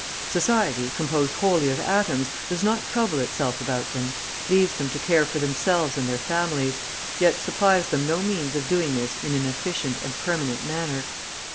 Society, composed wholly of atoms, does not trouble itself about them; leaves them to care for themselves and their families, yet supplies them no means of doing this in an efficient and permanent manner.